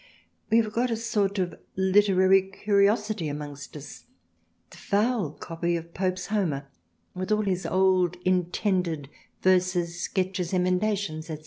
We have got a sort of literary curiosity amongst us : the foul copy of Pope's Homer with all his old intended verses, sketches, emendations &c.